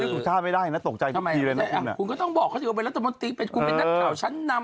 สุชาติไม่ได้นะตกใจทุกพีคเลยนะ